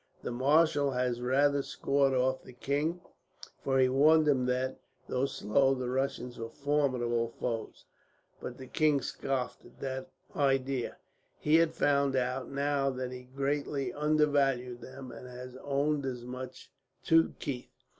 The marshal has rather scored off the king; for he warned him that, though slow, the Russians were formidable foes, but the king scoffed at the idea. He has found out now that he greatly undervalued them, and has owned as much to Keith.